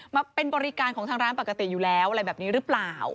มาเป็นบริการของทางร้านปกติอยู่แล้วอะไรแบบนี้หรือเปล่า